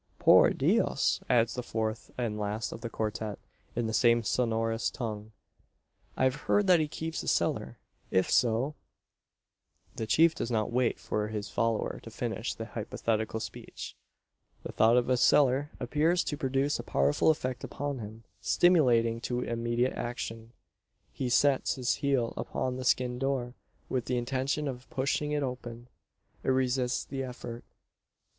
"Por Dios!" adds the fourth and last of the quartette, in the same sonorous tongue. "I've heard that he keeps a cellar. If so " The chief does not wait for his follower to finish the hypothetical speech. The thought of a cellar appears to produce a powerful effect upon him stimulating to immediate action. He sets his heel upon the skin door, with the intention of pushing it open. It resists the effort.